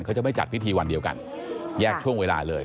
เขาจะไม่จัดพิธีวันเดียวกันแยกช่วงเวลาเลย